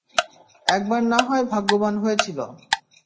একবার না হয় ভাগ্যবান হয়েছিল।